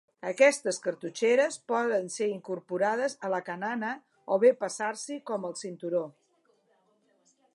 Aquestes cartutxeres poden ser incorporades a la canana o bé passar-s'hi com al cinturó.